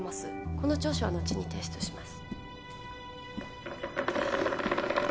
この調書は後に提出します